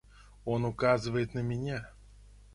Он указывает на меня.